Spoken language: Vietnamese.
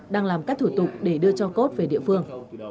đang làm các thủ tục để đưa cho cốt về địa phương